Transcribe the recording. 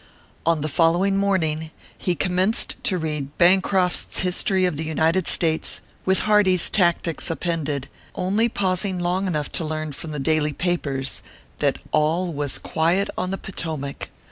On the following morning he com menced to read Bancroft s History of the United States, with Hardee s Tactics appended, only paus ing long enough to learn from the daily papers that all was quiet on the Potomac.